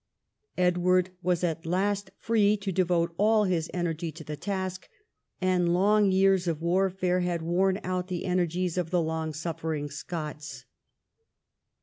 Edward was at last free to devote all his energy to the task, and long years of warfare had worn out the energies of the long suffering Scots.